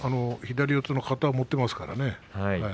左四つの型を持っていますからね。